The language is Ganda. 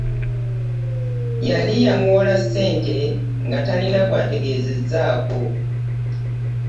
Yali yamuwola ssente nga talina gw'ategezezaako